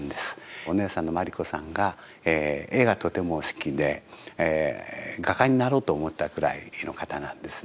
お姉さんの毬子さんが絵がとてもお好きで画家になろうと思ったくらいの方なんですね。